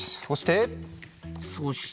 そして？